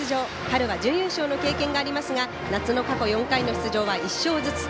春は準優勝の経験がありますが夏の過去４回の出場は１勝ずつ。